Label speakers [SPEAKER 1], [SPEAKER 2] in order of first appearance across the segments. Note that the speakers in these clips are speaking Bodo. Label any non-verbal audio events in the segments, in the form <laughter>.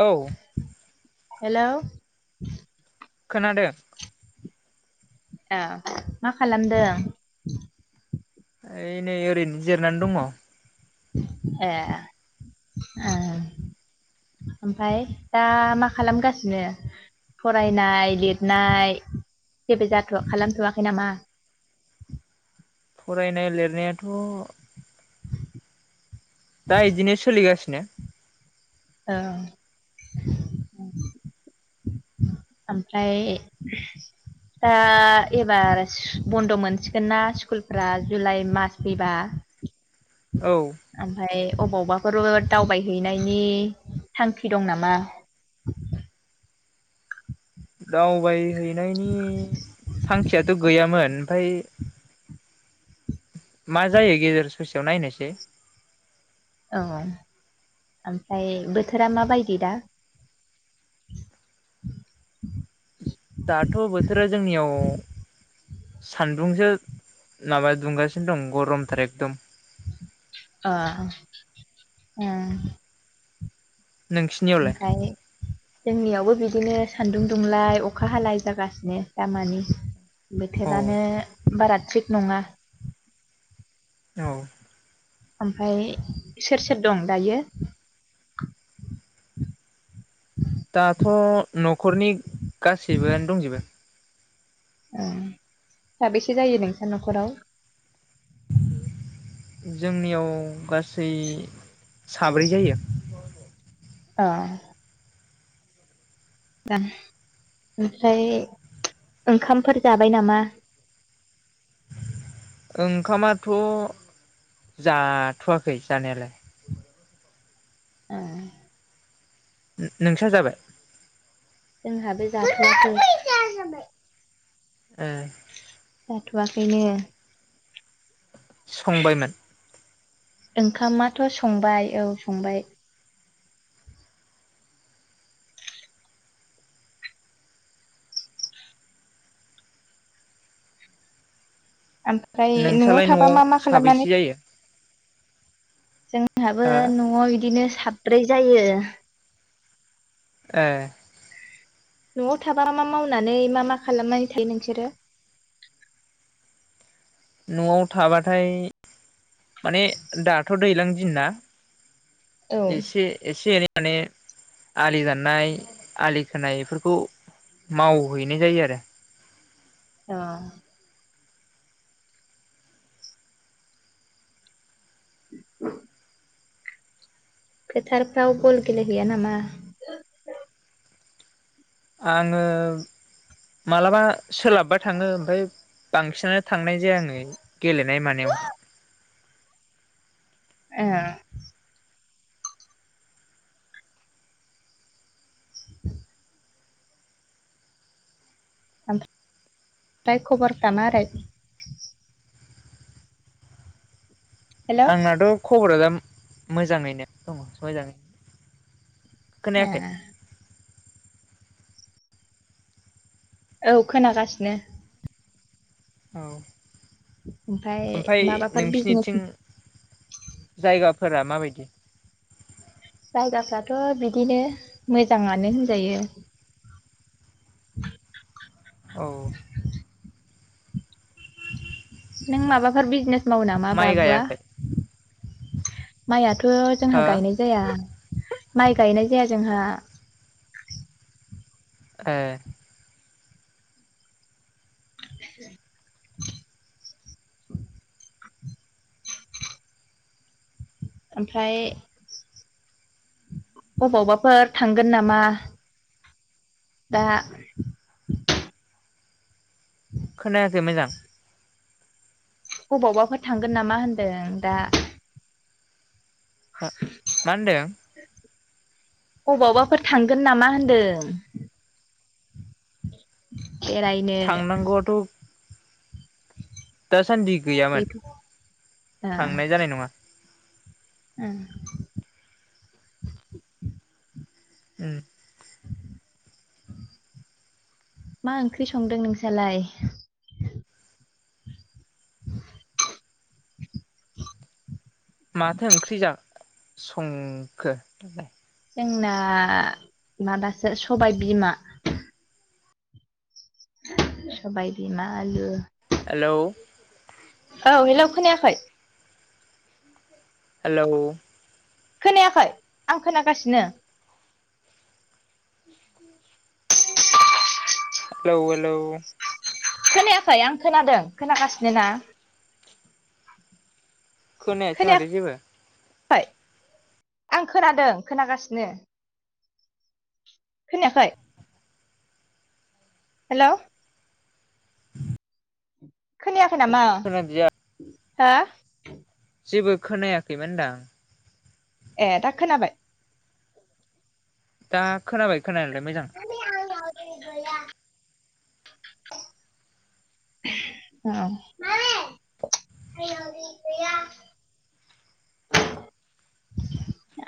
[SPEAKER 1] औ
[SPEAKER 2] हेलौ
[SPEAKER 1] खोनादो
[SPEAKER 2] ए मा खालामदों?
[SPEAKER 1] ओइ नै ओरैनो जिरनानै दङ।
[SPEAKER 2] ए ओ ओमफाय दा मा खालामगासिनो? फरायनाय लिरनाय जेबो जाथ' खालामथ'वाखै नामा <inaudible>
[SPEAKER 1] फरायनाय लिरनायाथ' दा इदिनो सोलि गासिनो
[SPEAKER 2] औ ओमफ्राय दा एबार बन्द' मोनसिगोन ना स्कुलफ्रा जुलाइ मास फैबा <inaudible>
[SPEAKER 1] औ
[SPEAKER 2] ओमफाय। अबावबाफोर बो दावबायहैनायनि थांखि दं नामा।
[SPEAKER 1] दावबायहैनायनि थांखियाथ गैयामोन। ओइ मा जायो गेजेर। ससेयाव नायनोसै।
[SPEAKER 2] औ ओमफाय बोथोरा माबायदि दा। <inaudible>
[SPEAKER 1] दाथ' बोथोरा जोंनियाव। सानदुंसो माबा दुंगासिन दं गरमथारि एखदम।
[SPEAKER 2] ओ उम्म।
[SPEAKER 1] नोंसिनियावलाय
[SPEAKER 2] ओमफाय जोंनियावबो बिदिनो। सान्दुं दुंलाय अखा हालाय जागासिनो दामानि
[SPEAKER 1] औ
[SPEAKER 2] बोथोरानो बाराथ। थिग नंङा।
[SPEAKER 1] औ।
[SPEAKER 2] ओमफाय सोर सोर दं दायो। <inaudible>
[SPEAKER 1] दाथ' न'खरनि गासैबो आनो दंजोबो।
[SPEAKER 2] उम्म साबेसे जायो नोंसा न'खराव।
[SPEAKER 1] जोंनियाव गासै। साब्रै जायो।
[SPEAKER 2] औ। दा ओमफ्राय ओंखामफोर जाबाय नामा।
[SPEAKER 1] ओंखामाथ। जाथ'वाखै जानायालाय।
[SPEAKER 2] ओ।
[SPEAKER 1] नोंसो जाबाय।
[SPEAKER 2] जोंहा बो जाथवाखै।
[SPEAKER 1] ए।
[SPEAKER 2] जाथ'वाखै नो।
[SPEAKER 1] संबायमोन।
[SPEAKER 2] ओंखामाथ संबाय औ संबाय। ओमफाय न'आव
[SPEAKER 1] नोंस्रालाय
[SPEAKER 2] थाबा मा मा खालामनानै।
[SPEAKER 1] साबैसे जायो
[SPEAKER 2] जोंहाबो
[SPEAKER 1] हो
[SPEAKER 2] न'आव इदिनो साब्रै जायो।
[SPEAKER 1] ए।
[SPEAKER 2] न'आव थाबा मा मावनानै मा मा खालामनानै थायो नोंसोरो? <inaudible>
[SPEAKER 1] न'आव थाबाथाय माने दाथ' दैलां दिन ना।
[SPEAKER 2] औ
[SPEAKER 1] एसे एसे एनै माने आलि दाननाय आलि खोनाय इफोरखौ मावहैनाय जायो आरो
[SPEAKER 2] अ। <inaudible> फोथारफ्राव बल गेलेहैया नामा?
[SPEAKER 1] आंङो मालाबा सोलाबबा थांङो ओमफाय बांसिनानो थांनाय जाया आंङो। गेलेनाय मानायावहाय।
[SPEAKER 2] ए <inaudible> <unintelligible> फाय खबरफोरा मारै? हेल' औ
[SPEAKER 1] आंनाथ' खबरा दा मोजाङैनो दङ'। <unintelligible> खोनायाखै
[SPEAKER 2] औ खोनागासिनो।
[SPEAKER 1] औ।
[SPEAKER 2] ओमफ्राय
[SPEAKER 1] ओमफाय
[SPEAKER 2] माबाफोर बिजनेस
[SPEAKER 1] नोंसिनिथिं जायगा फोरा माबायदि?
[SPEAKER 2] जायगाफ्राथ' बिदिनो मोजाङानो होनजायो। <unintelligible>
[SPEAKER 1] औ।
[SPEAKER 2] नों माबाफोर बिजनेस मावो नामा
[SPEAKER 1] माइ
[SPEAKER 2] बाबुवा?
[SPEAKER 1] गायाखै
[SPEAKER 2] माइयाथ'
[SPEAKER 1] हो
[SPEAKER 2] जोंहा गायनाय जाया। माइ गायनाय जाया जोंहा।
[SPEAKER 1] ए।
[SPEAKER 2] <inaudible> ओमफ्राय अबावबाफोर थांगोन नामा? दा
[SPEAKER 1] खोनायाखै मोजां।
[SPEAKER 2] बबावबाफोर थांगोन नामा होनदों दा?
[SPEAKER 1] ओ मा ओनदों?
[SPEAKER 2] अबावबाफोर थांगोन नामा होन्दों? <unintelligible>
[SPEAKER 1] थांनांगौवाथ' दासान्दि गैयामोन।
[SPEAKER 2] गैथ' ओ
[SPEAKER 1] थांनाय जानाय नङा।
[SPEAKER 2] ए।
[SPEAKER 1] उम।
[SPEAKER 2] <unintelligible> मा ओंख्रि संदों नोंसालाय? <unintelligible>
[SPEAKER 1] माथो ओंख्रि जा सं खो?
[SPEAKER 2] जोंना माबासो सबाय बिमा। सबाय बिमा आलु
[SPEAKER 1] हेलौ।
[SPEAKER 2] औ हेलौ खोनायाखै।
[SPEAKER 1] हेल'
[SPEAKER 2] खोनायाखै आं खोनागासिनो
[SPEAKER 1] हेल' हेल'
[SPEAKER 2] खोनायाखै आं खोनादों खोनागासिनो ना
[SPEAKER 1] खोनायाखै माथो जेबो
[SPEAKER 2] <inaudible> आं खोनादों खोनागासिनो खोनायाखै हेल' खोनायाखै नामा
[SPEAKER 1] खोनादिया
[SPEAKER 2] हो
[SPEAKER 1] जेबो खोनायाखैमोनदां
[SPEAKER 2] ए दा खोनाबाय
[SPEAKER 1] दा खोनाबाय खोनायालाय मोजां
[SPEAKER 2] <unintelligible> अ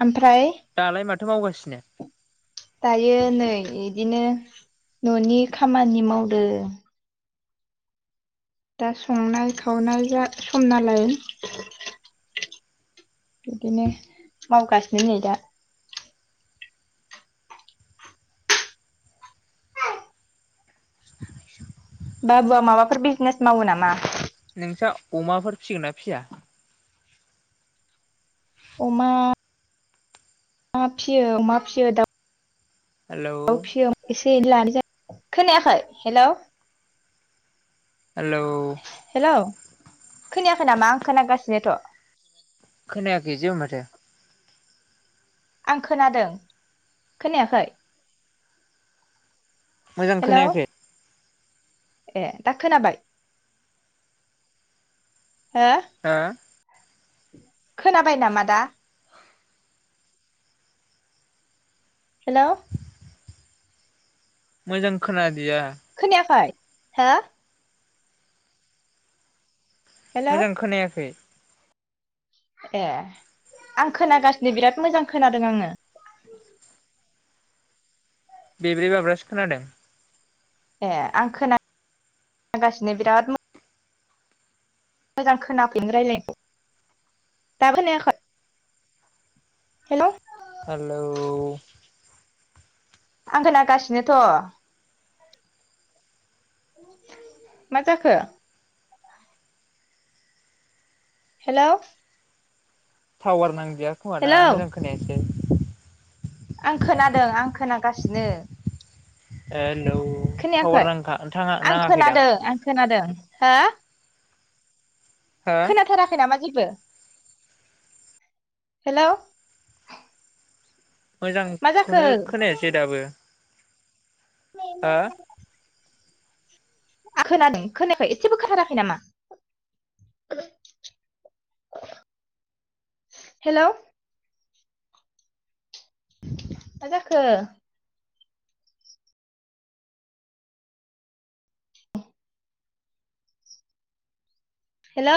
[SPEAKER 2] ओमफ्राय
[SPEAKER 1] दालाय माथो मावगासिनो
[SPEAKER 2] दायो नै इदिनो न'नि खामानि मावदो दा संनाय खावनाय जा सम नालाय बिदिनो मावगासिनो नै दा बाबुआ माबाफोर बिजनेस मावो नामा
[SPEAKER 1] नोंस्रा अमाफोर फिसिगोन ना फिसिया
[SPEAKER 2] अमा मा फिसियो अमा फिसियो दाउ
[SPEAKER 1] हेल'
[SPEAKER 2] <unintelligible> हेलौ
[SPEAKER 1] हेल'
[SPEAKER 2] खोनायाखै नामा आं खोनागासिनोथ'
[SPEAKER 1] खोनाखै जेबो माथो
[SPEAKER 2] आं खोनादों खोनायाखै
[SPEAKER 1] मोजां
[SPEAKER 2] हेलौ
[SPEAKER 1] खोनायाखै
[SPEAKER 2] ए दा खोनाबाय हा
[SPEAKER 1] हो
[SPEAKER 2] खोनाबाय नामा दा हेल'
[SPEAKER 1] मोजां खोनादों
[SPEAKER 2] खोनायाखै हा हेलौ
[SPEAKER 1] मोजां खोनायाखै
[SPEAKER 2] ए आं खोनागासिनो बिराद मोजां खोनादों आङो
[SPEAKER 1] बेब्रै बाब्रासो खोनादों
[SPEAKER 2] ए आं खोन खोनागासिनो बिराद मोजां <unintelligible> हेल'
[SPEAKER 1] हाल'
[SPEAKER 2] आं खोनागासिनोथ' मा जाखो हेल'
[SPEAKER 1] टावार नांदिया खोमा दा मोजां खोनायासै
[SPEAKER 2] आं खोनादों आं खोनागासिनो
[SPEAKER 1] <unintelligible>
[SPEAKER 2] खोनायाखै
[SPEAKER 1] टावार नांखा थाङा
[SPEAKER 2] आं
[SPEAKER 1] नाङाखैदां
[SPEAKER 2] खोनादों आं खोनादों हो।
[SPEAKER 1] हो
[SPEAKER 2] खोनाथाराखै नामा? <unintelligible> हेलौ मा जाखो
[SPEAKER 1] मोजांखौनो खोनायासै दाबो हो
[SPEAKER 2] <unintelligible> <unintelligible> <inaudible> हेलौ मा जाखो? हेलौ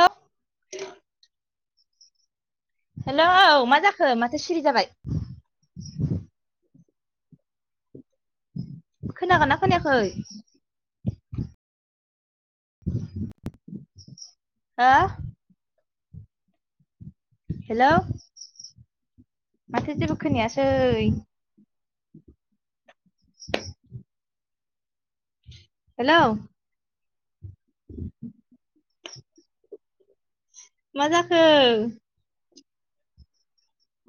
[SPEAKER 2] हेलौ औ मा जाखो माथो सिरि जाबाय खोनागोन ना खोनायाखै? <inaudible> हा हेलौ माथो जेबो खोनायासै <inaudible> हेलौ <inaudible> माजाखो?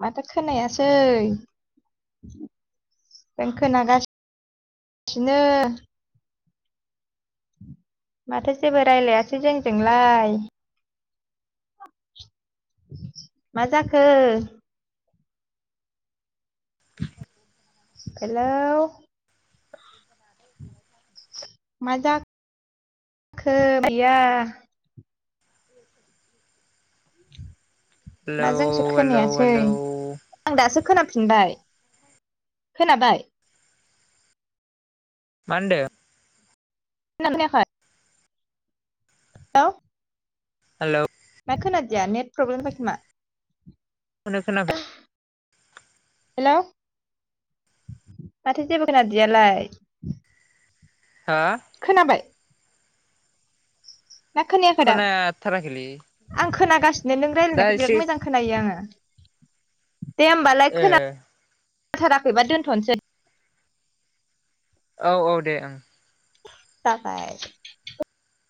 [SPEAKER 2] माथो खोनायासै जों खोनागासि थि नो माथो जेबो रायलायासै जोंजोंलाय मा जाखो?
[SPEAKER 1] <inaudible>
[SPEAKER 2] हेलौ मा जाखो गैया ना
[SPEAKER 1] हेलौ
[SPEAKER 2] जोंसो
[SPEAKER 1] हेलौ
[SPEAKER 2] खोनायासै
[SPEAKER 1] हेलौ
[SPEAKER 2] आं दासो खोनाफिनबाय खोनाबाय?
[SPEAKER 1] मा होनदो?
[SPEAKER 2] <unintelligible> <unintelligible>
[SPEAKER 1] हेल'
[SPEAKER 2] खोनादिया नेट प्रब्लेम <unintelligible>
[SPEAKER 1] <unintelligible> खोनाबाय
[SPEAKER 2] <inaudible> हेल' माथो जेबो खोनादियालाय
[SPEAKER 1] हा
[SPEAKER 2] खोनाबाय? ना खोनायाखै
[SPEAKER 1] खोनाथाराखैलै
[SPEAKER 2] <unintelligible> आं खोनागासिनो नों
[SPEAKER 1] दा
[SPEAKER 2] रायज्लायनायखौ बिराद
[SPEAKER 1] एसे
[SPEAKER 2] मोजां खोनायो आङो दे होमबालाय
[SPEAKER 1] ओ
[SPEAKER 2] खोनाथाराखैबा दोनथ'नोसै
[SPEAKER 1] औ औ दे ओं
[SPEAKER 2] <unintelligible>